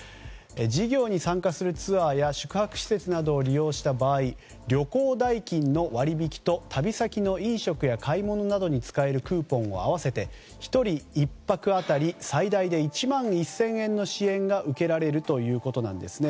事業に参加するツアーや宿泊施設などを利用した場合旅行代金の割引と旅先の飲食や買い物などに使えるクーポン合わせて１人１泊当たり最大で１万１０００円の支援が受けられるということです。